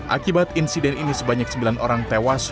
akibat insiden ini sebanyak sembilan orang tewas